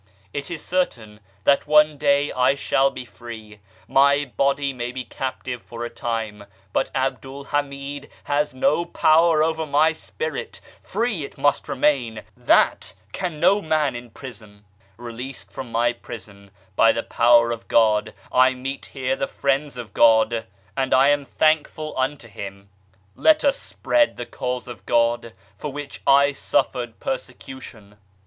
It is certain that one day I shall be free. My body may be captive for a time, but Abdul Hamid has no power over my spirit free it must remain that can no man imprison." Released from my prison by the Power of God I meet here the friends of God, and I am thankful unto Him. Let us spread the Cause of God, for which I suffered persecution.